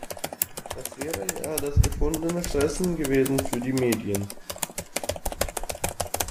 Das wäre ja das gefundene Fressen gewesen für die Medien.